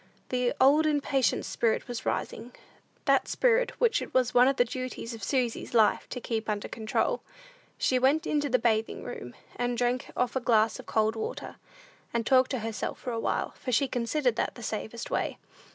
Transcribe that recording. The old, impatient spirit was rising; that spirit which it was one of the duties of Susy's life to keep under control. She went into the bathing room, and drank off a glass of cold water, and talked to herself a while, for she considered that the safest way.